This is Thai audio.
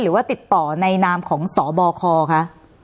หรือว่าติดต่อในนามของสบคคะ